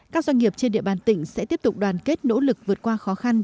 các doanh nghiệp trên địa bàn tỉnh sẽ tiếp tục đoàn kết nỗ lực vượt qua khó khăn